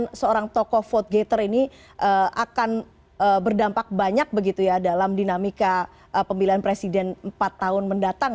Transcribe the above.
kemudian seorang tokoh vote gator ini akan berdampak banyak begitu ya dalam dinamika pemilihan presiden empat tahun mendatang